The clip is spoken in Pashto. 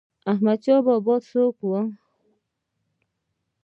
احمد شاه بابا څوک و؟